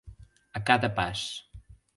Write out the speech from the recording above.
A cada pas.